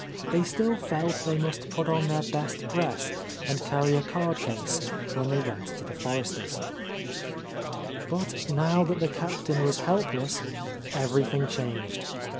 They still felt they must put on their best dress and carry a card case when they went to the Forresters'. But now that the Captain was helpless, every thing changed.